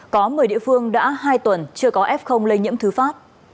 có một mươi địa phương đã hai tuần chưa có f lây nhiễm thứ phát